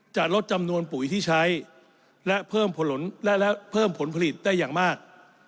จะลดจำนวนปุ๋ยที่ใช้และเพิ่มผลและเพิ่มผลผลิตได้อย่างมาก